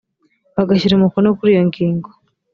bagashyira umukono kuri yo ngingo